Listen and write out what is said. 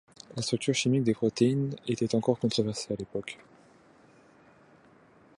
La structure chimique des protéines était encore controversée à l'époque.